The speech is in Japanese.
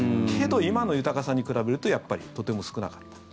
けど、今の豊かさに比べるとやっぱりとても少なかった。